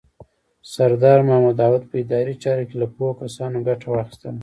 سردار محمد داود په اداري چارو کې له پوهو کسانو ګټه واخیستله.